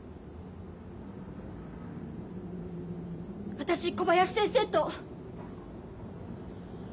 私小林先生と。